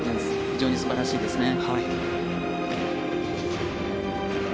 非常に素晴らしいですね。